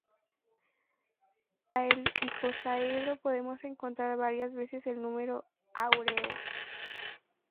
En el icosaedro podemos encontrar varias veces el número áureo.